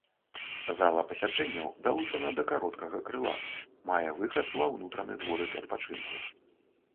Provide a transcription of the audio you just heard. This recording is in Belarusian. Зала пасяджэнняў далучана да кароткага крыла, мае выхад ва ўнутраны дворык адпачынку.